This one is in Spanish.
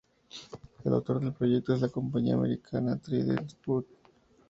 El autor del proyecto es la compañía americana Trident Support.